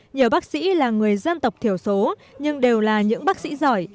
nhiều bác sĩ là người dân tộc thiểu số nhưng đều là những bác sĩ giỏi